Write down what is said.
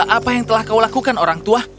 apa yang telah kau lakukan orang tua